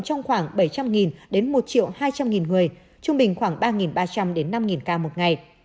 trong khoảng bảy trăm linh đến một hai trăm linh người trung bình khoảng ba ba trăm linh đến năm ca một ngày